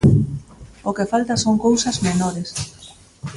O que falta son cousas menores.